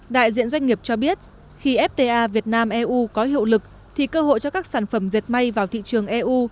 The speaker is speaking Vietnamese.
đại diện doanh nghiệp cho biết khi fta việt nam eu có hiệu lực thì cơ hội cho các sản phẩm dệt may vào thị trường eu